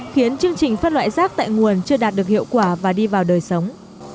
khiến chương trình phân loại rác tại nguồn chưa đạt được hiệu quả và đi vào đời sống